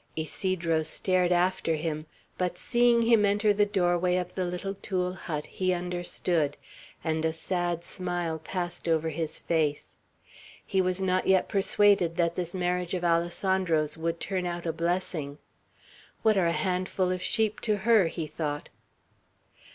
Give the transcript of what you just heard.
Ysidro stared after him; but seeing him enter the doorway of the little tule hut, he understood, and a sad smile passed over his face. He was not yet persuaded that this marriage of Alessandro's would turn out a blessing. "What are a handful of sheep to her!" he thought.